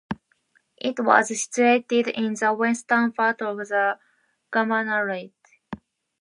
It was situated in the western part of the governorate.